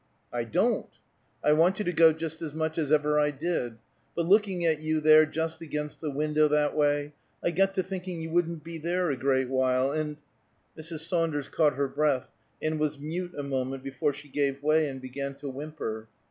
"I don't! I want you to go just as much as ever I did. But looking at you there, just against the window, that way, I got to thinking you wouldn't be there a great while; and " Mrs. Saunders caught her breath, and was mute a moment before she gave way and began to whimper.